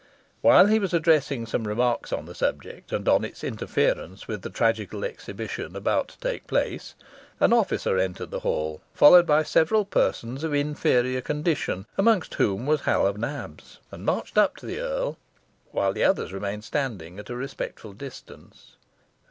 While he was addressing some remarks on this subject, and on its interference with the tragical exhibition about to take place, an officer entered the hall, followed by several persons of inferior condition, amongst whom was Hal o' Nabs, and marched up to the earl, while the others remained standing at a respectful distance.